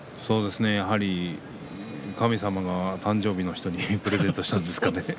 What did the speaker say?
やはり神様が誕生日の人にプレゼントしたんですかね。